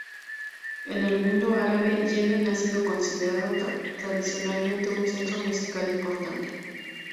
En el mundo árabe, Yemen ha sido considerado tradicionalmente un centro musical importante.